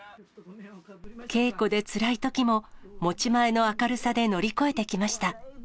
稽古でつらいときも、持ち前の明るさで乗り越えてきました。